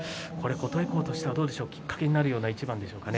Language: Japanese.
琴恵光としては、どうでしょうきっかけになるような一番でしょうか。